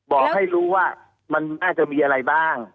บอกให้รู้ว่ามันน่าจะมีอะไรบ้าง